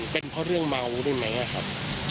เป็นเพราะเรื่องเมาด้วยไหมครับ